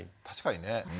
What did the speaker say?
確かにね。